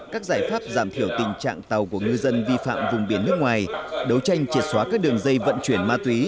các giải pháp giảm thiểu tình trạng tàu của ngư dân vi phạm vùng biển nước ngoài đấu tranh triệt xóa các đường dây vận chuyển ma túy